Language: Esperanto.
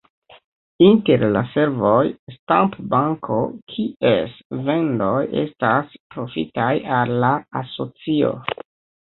Inter la servoj, stampo-banko, kies vendoj estas profitaj al la asocio.